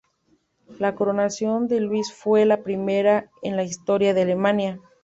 La coronación de Luis fue la primera en la historia de Alemania.